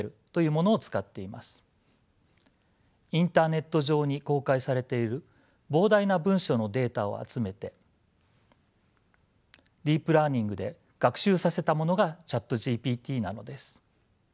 インターネット上に公開されている膨大な文章のデータを集めてディープ・ラーニングで学習させたものがＣｈａｔＧＰＴなのです。